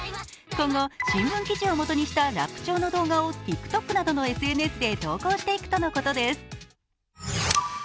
今後、新聞記事をもとにしたラップ調の動画をＴｉｋＴｏｋなどのＳＮＳで投稿していくとのことです。